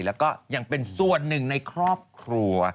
แล้วก็ยังเป็นส่วนหนึ่งในครอบครัว